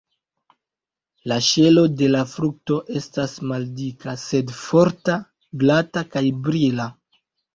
La ŝelo de la frukto estas maldika, sed forta, glata kaj brila.